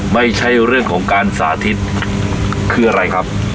ไม่ใช่เรื่องของการสาธิตคืออะไรครับ